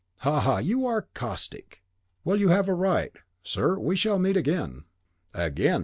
"Ha, ha! you are caustic. Well, you have a right. Sir, we shall meet again." "AGAIN!"